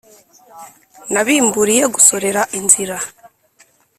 Nabimburiye gusorera inzira